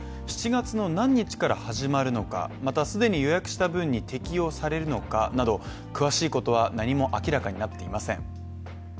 ７月の何日から始まるのか、また既に予約した分に適用されるのかなど詳しいことは何も明らかになっていません。